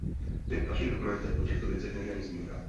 Ve vašich dokumentech o těchto věcech není ani zmínka .